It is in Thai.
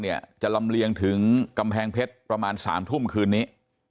เนี่ยจะลำเลียงถึงกำแพงเพชรประมาณ๓ทุ่มคืนนี้